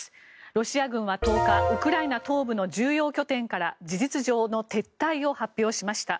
ロシア軍は１０日ウクライナ東部の重要拠点から事実上の撤退を発表しました。